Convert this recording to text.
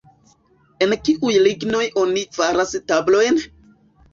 El kiuj lignoj oni faras tablojn?